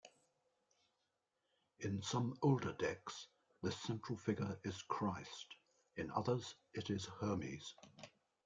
In some older decks, this central figure is Christ, in others it is Hermes.